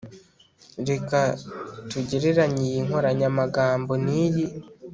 Reka tugereranye iyi nkoranyamagambo niyi